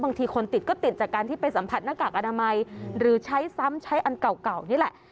คนติดก็ติดจากการที่ไปสัมผัสหน้ากากอนามัยหรือใช้ซ้ำใช้อันเก่านี่แหละ